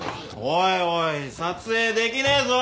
おいおい撮影できねえぞ？